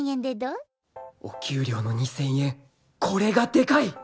お給料の ２，０００ 円これがでかい！